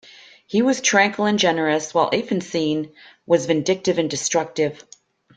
He was tranquil and generous, while Efnisien was vindictive and destructive.